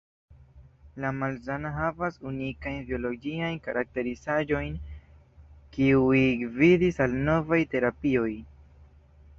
La malsano havas unikajn biologiajn karakterizaĵojn, kiuj gvidis al novaj terapioj.